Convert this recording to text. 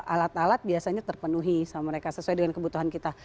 alat alat biasanya terpenuhi sama mereka sesuai dengan kebutuhan kita